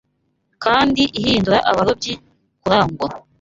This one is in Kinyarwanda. Kandi ihindura abarobyi kuragura